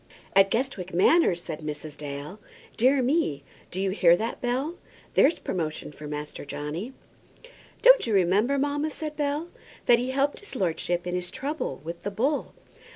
"At Guestwick Manor!" said Mrs. Dale. "Dear me! Do you hear that, Bell? There's promotion for Master Johnny!" "Don't you remember, mamma," said Bell, "that he helped his lordship in his trouble with the bull?"